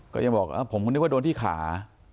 ก็ยังบอกผมก็นึกว่าโดนที่ขา